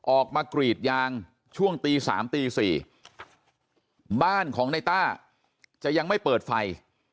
ออกมากรีดยางช่วงตี๓ตี๔บ้านของในต้าจะยังไม่เปิดไฟ